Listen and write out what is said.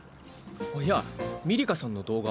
いやミリカさんの動画。